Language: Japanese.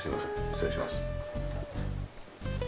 失礼します。